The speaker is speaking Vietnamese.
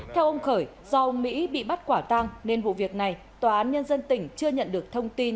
theo ông khởi do mỹ bị bắt quả tang nên vụ việc này tòa án nhân dân tỉnh chưa nhận được thông tin